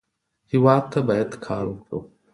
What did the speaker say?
هېواد ته باید کار وکړو